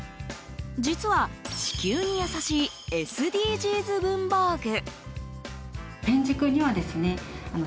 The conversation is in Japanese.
実は地球に優しいＳＤＧｓ文房具。